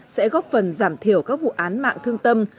sẽ góp phần giảm thiểu các vụ án mạng thương tâm